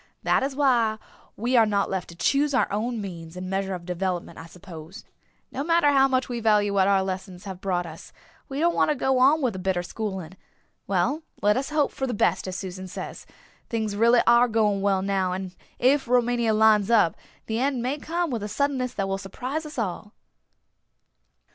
"That is why we are not left to choose our own means and measure of development, I suppose. No matter how much we value what our lessons have brought us we don't want to go on with the bitter schooling. Well, let us hope for the best, as Susan says; things are really going well now and if Rumania lines up, the end may come with a suddenness that will surprise us all."